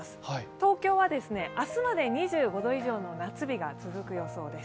東京は明日まで２５度以上の夏日が続く予想です。